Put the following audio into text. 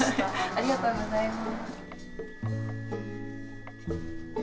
ありがとうございます。